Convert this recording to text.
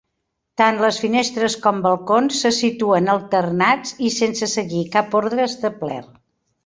Tant les finestres com balcons se situen alternats i sense seguir cap ordre establert.